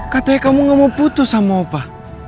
katanya kamu gak mau putus sama apa